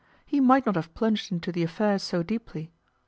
he might not have plunged into the affair so deeply.